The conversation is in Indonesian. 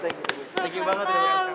thank you banget